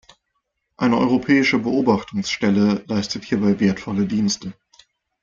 Eine europäische Beobachtungsstelle leistet hierbei wertvolle Dienste.